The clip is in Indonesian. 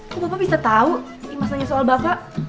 kok bapak bisa tahu imaz nanya soal bapak